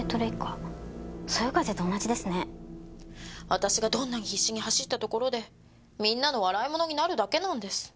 私がどんなに必死に走ったところでみんなの笑いものになるだけなんです。